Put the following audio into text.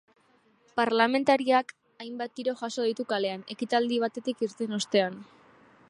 Parlamentariak hainbat tiro jaso ditu kalean, ekitaldi batetik irten ostean.